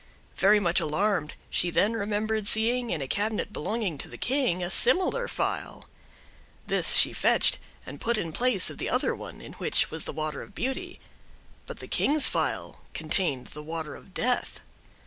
Very much alarmed, she then remembered seeing, in a cabinet belonging to the King, a similar phial. This she fetched, and put in the place of the other one, in which was the water of beauty. But the King's phial contained the water of death.